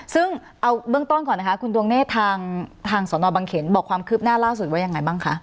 ซึ่งเอาเบื้องต้นก่อนนะคะคุณดวงเนธทางสนบังเขนบอกความคืบหน้าล่าสุดว่ายังไงบ้างคะ